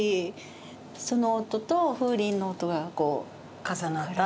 その音と風鈴の音がこう重なったっていう。